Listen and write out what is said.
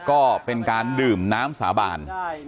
ก็เป็นการดื่มน้ำสาบาน